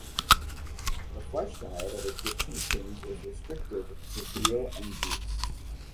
The flesh diet of Egyptian kings was restricted to veal and goose.